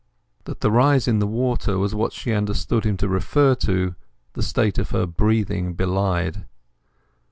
That the rise in the water was what she understood him to refer to, the state of breathing belied.